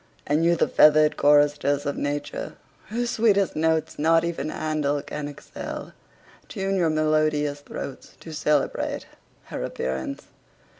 and you the feathered choristers of nature, whose sweetest notes not even Handel can excell, tune your melodious throats to celebrate her appearance.